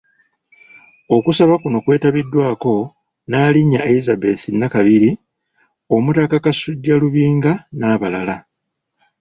Okusaba kuno kwetabiddwako; Nnaalinnya Elizabeth Nakabiri, Omutaka Kasujju Lubinga n'abalala.